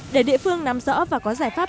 để địa phương nắm rõ và có giải pháp